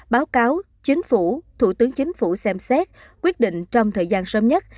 báo cáo chính phủ thủ tướng chính phủ xem xét quyết định trong thời gian sớm nhất